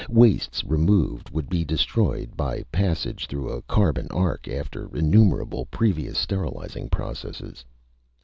Wastes removed would be destroyed by passage through a carbon arc after innumerable previous sterilizing processes.